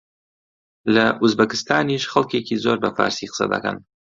لە ئوزبەکستانیش خەڵکێکی زۆر بە فارسی قسە دەکەن